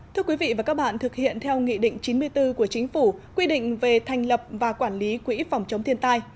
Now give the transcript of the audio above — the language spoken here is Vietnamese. thưa quý vị và các bạn thực hiện theo nghị định chín mươi bốn của chính phủ quy định về thành lập và quản lý quỹ phòng chống thiên tai